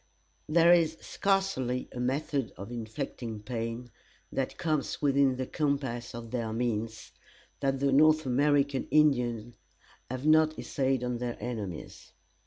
There is scarcely a method of inflicting pain, that comes within the compass of their means, that the North American Indians have not essayed on their enemies.